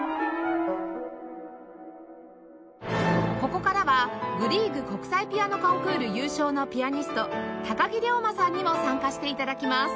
ここからはグリーグ国際ピアノコンクール優勝のピアニスト木竜馬さんにも参加して頂きます